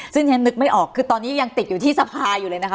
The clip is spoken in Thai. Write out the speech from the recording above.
ซึ่งฉันนึกไม่ออกคือตอนนี้ยังติดอยู่ที่สภาอยู่เลยนะคะ